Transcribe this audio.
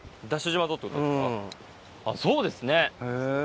そうですね。